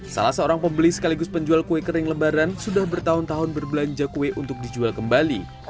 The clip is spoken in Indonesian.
salah seorang pembeli sekaligus penjual kue kering lebaran sudah bertahun tahun berbelanja kue untuk dijual kembali